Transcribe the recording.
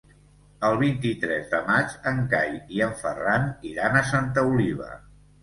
El vint-i-tres de maig en Cai i en Ferran iran a Santa Oliva.